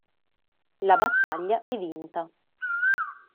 La battaglia è vinta.